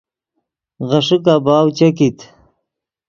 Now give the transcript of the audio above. غیݰے کباؤ چے کیت